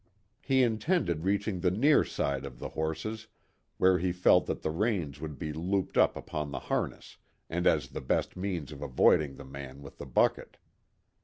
He intended reaching the "near side" of the horses, where he felt that the reins would be looped up upon the harness, and as the best means of avoiding the man with the bucket.